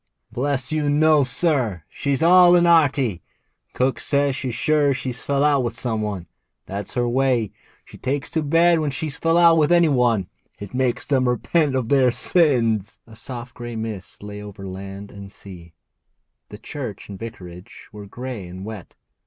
'Bless you, no, sir; she's 'ale and 'earty. Cook says she's sure she've fell out with some one. That's her way; she takes to bed when she've fell out with any one. It makes them repent of their sins.' A soft grey mist lay over land and sea. The church and vicarage were grey and wet.